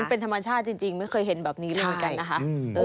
เป็นธรรมชาติจริงไม่เคยเห็นแบบนี้เลยเหมือนกันนะคะ